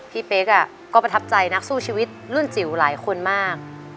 พี่เป๊กก็ประทับใจนักสู้ชีวิตรุ่นจิ๋วหลายคนมาก